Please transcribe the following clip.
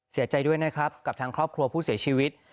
เสียใจด้วยนะครับกับทางครอบครัวผู้เสียชีวิต